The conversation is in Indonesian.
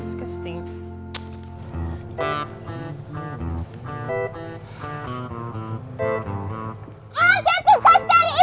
ada tugas dari ibu rasa